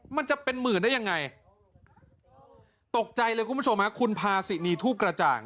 มันจะเป็นหมื่นได้ยังไงตกใจเลยคุณผู้ชมฮะคุณพาสินีทูปกระจ่าง